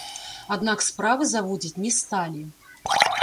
Аднак справы заводзіць не сталі.